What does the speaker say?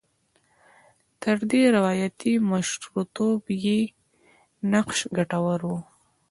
تر دې روایاتي مشرتوب یې نقش ګټور و.